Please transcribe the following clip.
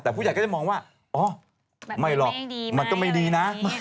แต่ผู้ใหญ่ก็จะมองว่าอ๋อไม่หรอกมันก็ไม่ดีนะ